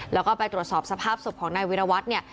แล้วก็ไปตรวจสอบสภาพศพของนายวิรวัตรเนี่ย